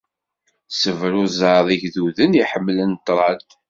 Ssebruzzeɛ igduden i iḥemmlen ṭṭrad.